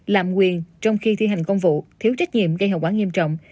lạm quyền trong khi thi hành công vụ thiếu trách nhiệm gây hậu quả nghiêm trọng